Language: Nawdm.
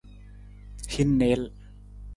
Hin niil.